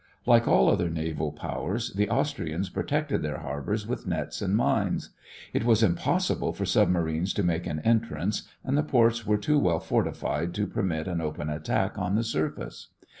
Like all other naval powers, the Austrians protected their harbors with nets and mines. It was impossible for submarines to make an entrance and the ports were too well fortified to permit an open attack on the surface.